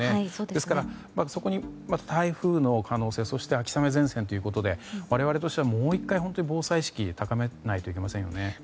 ですから、そこに台風の可能性そして秋雨前線ということで我々としてはもう１回防災意識を高めないといけませんね。